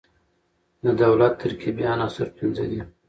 د دولت ترکيبي عناصر پنځه دي.